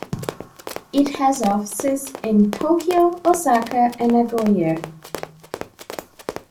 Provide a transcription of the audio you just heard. It has offices in Tokyo, Osaka, and Nagoya.